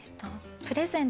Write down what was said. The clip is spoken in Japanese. プレゼント。